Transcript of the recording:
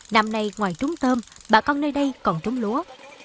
năm nay ngoài trúng tôm bà con nơi đây còn trúng lúa